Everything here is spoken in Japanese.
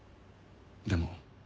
でも。